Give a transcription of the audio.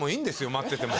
待ってても。